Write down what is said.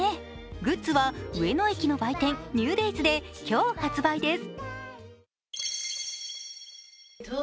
グッズは上野駅のＮｅｗＤａｙｓで今日、発売です。